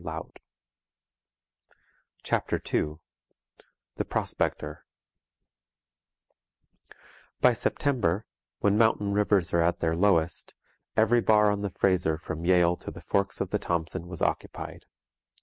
CHAPTER II THE PROSPECTOR By September, when mountain rivers are at their lowest, every bar on the Fraser from Yale to the forks of the Thompson was occupied.